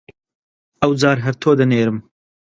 ئەوجار هەر تۆ دەنێرم!